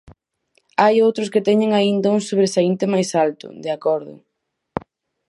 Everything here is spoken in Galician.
Hai outros que teñen aínda un sobresaínte máis alto, de acordo.